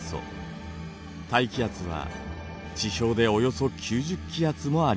大気圧は地表でおよそ９０気圧もあります。